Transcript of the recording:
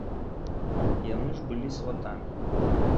Яны ж былі сватамі.